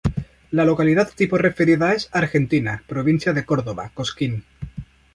La localidad tipo referida es: Argentina, provincia de Córdoba, Cosquín.